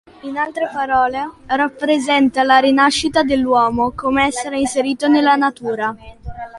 In altre parole rappresenta la rinascita dell'uomo come essere inserito nella natura.